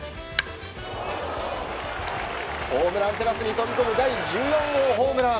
ホームランテラスに飛び込む第１４号ホームラン！